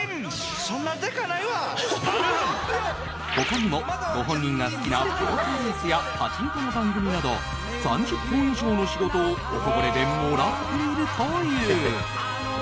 他にもご本人が好きなボートレースやパチンコの番組など３０本以上の仕事をおこぼれでもらっているという。